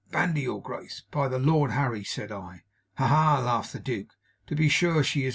"Bandy, your Grace, by the Lord Harry!" said I. "Ha, ha!" laughed the Duke. "To be sure she is.